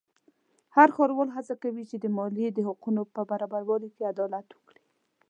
هر ښاروال هڅه کوي چې د مالیې د حقونو په برابرولو کې عدالت وکړي.